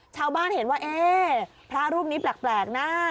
ชาวบ้านเห็นว่าเอ๊ะพระรูปนี้แปลกนะ